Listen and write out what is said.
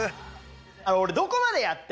俺どこまでやった？